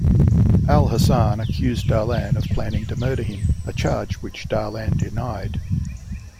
Al-Hassan accused Dahlan of planning to murder him, a charge which Dahlan denied.